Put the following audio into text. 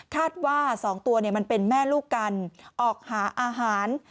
คาดว่าสองตัวเนี่ยมันเป็นแม่ลูกกันออกหาอาหาร